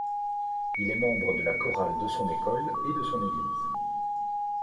Il est membre de la chorale de son école et de son église.